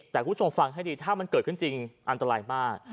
แต่คุณผู้ชมฟังให้ดีถ้ามันเกิดขึ้นจริงอันตรายมาก